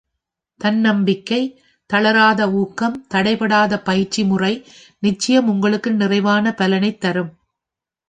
தன்னம்பிக்கை, தளராத ஊக்கம், தடைபடாத பயிற்சி முறை, நிச்சயம் உங்களுக்கு நிறைவான பலனைத் தரும்.